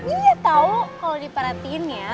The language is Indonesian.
iya tau kalo diperhatiin ya